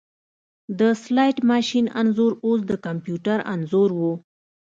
د سلاټ ماشین انځور اوس د کمپیوټر انځور و